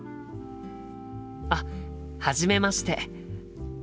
あっはじめまして。